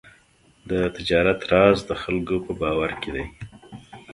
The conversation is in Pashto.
د تجارت راز د خلکو په باور کې دی.